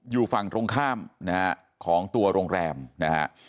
อยู่ฝั่งตรงข้ามนะฮะของตัวโรงแรมนะฮะ